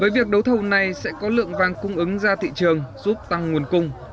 với việc đấu thầu này sẽ có lượng vàng cung ứng ra thị trường giúp tăng nguồn cung